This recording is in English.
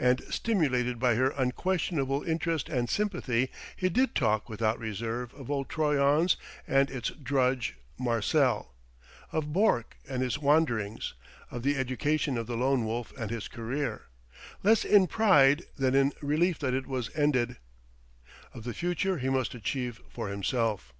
And stimulated by her unquestionable interest and sympathy, he did talk without reserve of old Troyon's and its drudge, Marcel; of Bourke and his wanderings; of the education of the Lone Wolf and his career, less in pride than in relief that it was ended; of the future he must achieve for himself.